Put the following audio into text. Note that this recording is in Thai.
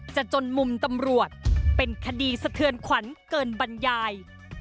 จนมุมตำรวจเป็นคดีสะเทือนขวัญเกินบรรยาย